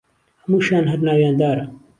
هەمووشیان هەر ناویان دارە